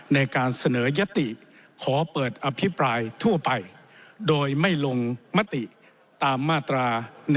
ในการเสนอยติขอเปิดอภิปรายทั่วไปโดยไม่ลงมติตามมาตรา๑๑